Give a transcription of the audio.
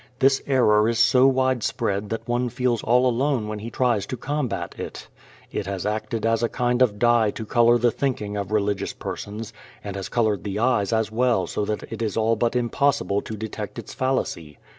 This error is so widespread that one feels all alone when he tries to combat it. It has acted as a kind of dye to color the thinking of religious persons and has colored the eyes as well so that it is all but impossible to detect its fallacy.